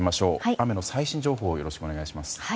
雨の最新情報をよろしくお願いします。